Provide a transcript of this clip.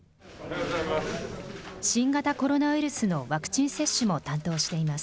新型コロナウイルスのワクチン接種も担当しています。